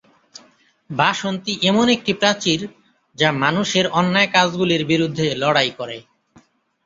বাসন্তী এমন একটি প্রাচীর যা মানুষের অন্যায় কাজগুলির বিরুদ্ধে লড়াই করে।